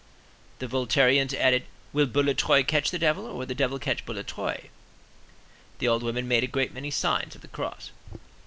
The Voltairians added, "Will Boulatruelle catch the devil, or will the devil catch Boulatruelle?" The old women made a great many signs of the cross.